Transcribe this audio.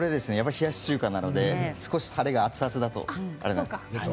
冷やし中華なのでたれが熱々だとね。